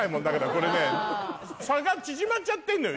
これね差が縮まっちゃってんのよ